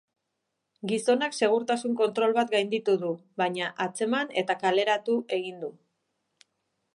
Gizonak segurtasun kontrol bat gainditu du, baina atzeman eta kaleratu egin du.